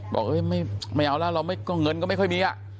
บอกไม่เอาล่ะเงินก็ไม่ค่อยมี